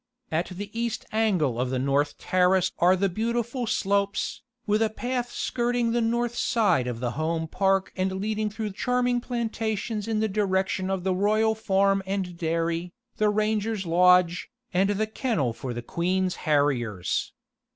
At the east angle of the north terrace are the beautiful slopes, with a path skirting the north side of the home park and leading through charming plantations in the direction of the royal farm and dairy, the ranger's lodge, and the kennel for the queen's harriers.